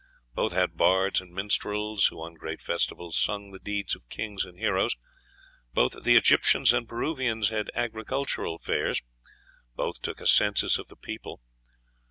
Both had bards and minstrels, who on great festivals sung the deeds of kings and heroes. Both the Egyptians and the Peruvians held agricultural fairs; both took a census of the people.